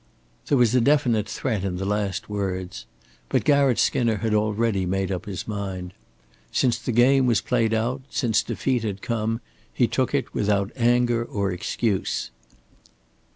There was a definite threat in the last words. But Garratt Skinner had already made up his mind. Since the game was played out, since defeat had come, he took it without anger or excuse.